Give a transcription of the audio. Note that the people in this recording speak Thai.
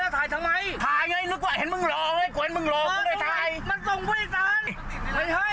ถ่ายไงงั้นก็เลยเห็นมึงรองัยกว่าเห็นมึงรอยังไม่ได้ถ่าย